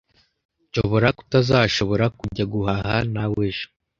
Nshobora kutazashobora kujya guhaha nawe ejo.